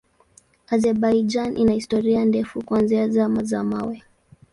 Azerbaijan ina historia ndefu kuanzia Zama za Mawe.